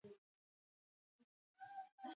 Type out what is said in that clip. د کوهستان انګور ښه دي